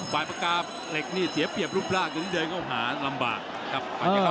ปลายประกาศเหล็กนี่เสียเปรียบรูปรากอย่างนี้เดี๋ยวเขาหาลำบากครับ